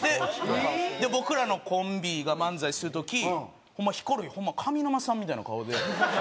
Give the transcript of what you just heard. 僕らのコンビが漫才する時ヒコロヒーホンマ上沼さんみたいな顔で。